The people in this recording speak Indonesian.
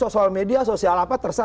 sosial media sosial apa terserah